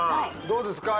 どうですか？